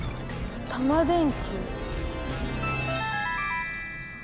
タマ電Ｑ？